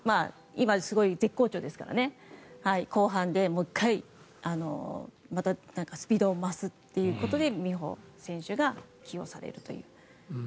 今、すごい絶好調ですからね後半でもう１回またスピードを増すということで美帆選手が起用されるという。